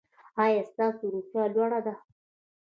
ایا ستاسو روحیه لوړه ده؟